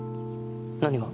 何が？